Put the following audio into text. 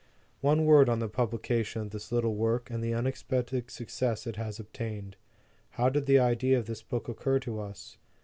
ONE word on the publication of this little work, and the unexpected success it has obtained. How did the idea of this book occur to us